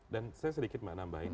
dan saya sedikit mau nambahin